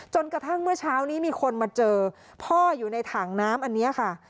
กระทั่งเมื่อเช้านี้มีคนมาเจอพ่ออยู่ในถังน้ำอันนี้ค่ะ